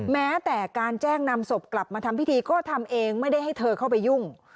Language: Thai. แม้แต่การแจ้งนำศพกลับมาทำพิธีก็ทำเองไม่ได้ให้เธอเข้าไปยุ่ง